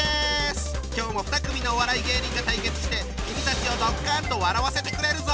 今日も２組のお笑い芸人が対決して君たちをドッカンと笑わせてくれるぞ。